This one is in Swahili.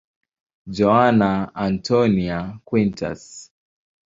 Joana Antónia Quintas.